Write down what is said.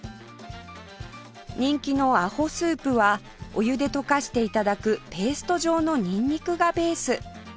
人気のアホスープはお湯で溶かして頂くペースト状のニンニクがベース